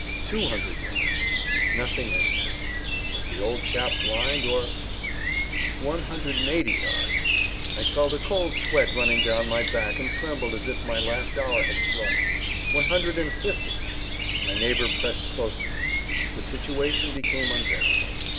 Two hundred yards! Nothing as yet. Was the old chap blind or—? One hundred and eighty yards! I felt a cold sweat running down my back and trembled as if my last hour had struck. One hundred and fifty! My neighbor pressed close to me. The situation became unbearable.